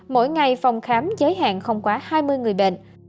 mỗi ngày phòng khám giới hạn không quá hai mươi người bệnh